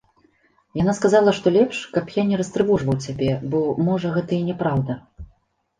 Яна сказала, што лепш, каб я не растрывожваў цябе, бо, можа, гэта і няпраўда.